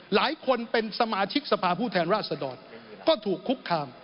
หลายคนเป็นสมาชิกสภาพผู้แทนราชดรก็ถูกคุกคาม